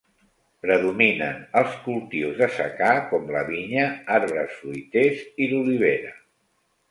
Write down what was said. Predominen els cultius de secà com la vinya, arbres fruiters i l'olivera.